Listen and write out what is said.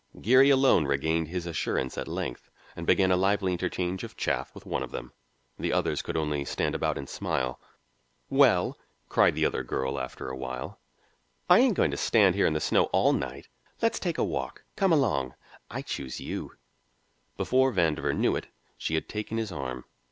Geary alone regained his assurance at length, and began a lively interchange of chaff with one of them. The others could only stand about and smile. "Well," cried the other girl after a while, "I ain't going to stand here in the snow all night. Let's take a walk; come along. I choose you." Before Vandover knew it she had taken his arm.